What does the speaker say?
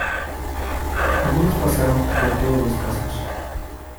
Algunos pasaron por todos los casos.